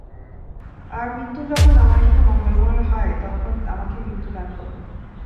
আর মৃত্যু যখন আমার জন্যে মঙ্গলময় হয় তখন আমাকে মৃত্যু দান করুন।